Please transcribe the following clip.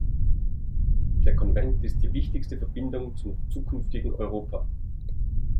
Der Konvent ist die wichtigste Verbindung zum zukünftigen Europa.